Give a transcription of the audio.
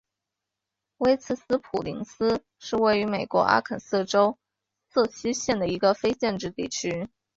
威茨斯普林斯是位于美国阿肯色州瑟西县的一个非建制地区。